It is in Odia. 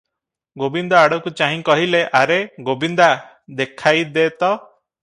ଗୋବିନ୍ଦ ଆଡ଼କୁ ଚାହିଁ କହିଲେ, "ଆରେ ଗୋବିନ୍ଦା ଦେଖାଇ ଦେ ତ ।"